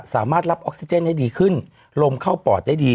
สามารถรับออกซิเจนให้ดีขึ้นลมเข้าปอดได้ดี